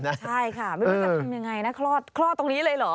ใช่ค่ะไม่รู้จะทำยังไงนะคลอดคลอดตรงนี้เลยเหรอ